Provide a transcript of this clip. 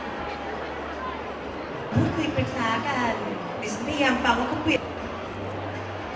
พูดคุยเป็นซ้ากัน